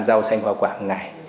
rau xanh và hoa quả một ngày